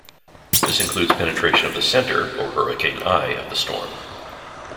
This includes penetration of the center or hurricane eye of the storm.